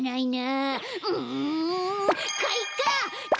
うんかいか！